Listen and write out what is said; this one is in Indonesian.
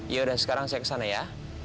yaudah sekarang saya kesana ya